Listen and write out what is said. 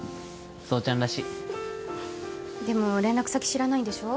蒼ちゃんらしいでも連絡先知らないんでしょ？